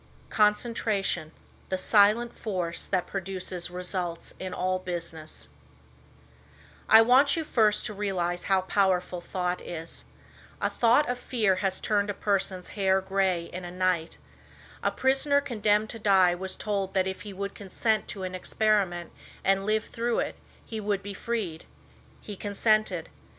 CONCENTRATION, THE SILENT FORCE THAT PRODUCES RESULTS IN ALL BUSINESS I want you first to realize how powerful thought is. A thought of fear has turned a person's hair gray in a night. A prisoner condemned to die was told that if he would consent to an experiment and lived through it he would be freed. He consented.